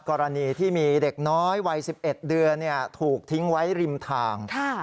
กรณีที่มีเด็กน้อยวัย๑๑เดือนถูกทิ้งไว้ริมทาง